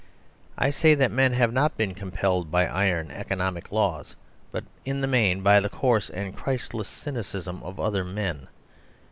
I say that men have not been compelled by iron economic laws, but in the main by the coarse and Christless cynicism of other men.